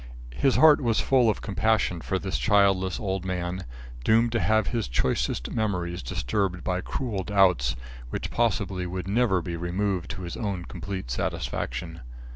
His heart was full of compassion for this childless old man, doomed to have his choicest memories disturbed by cruel doubts which possibly would never be removed to his own complete satisfaction.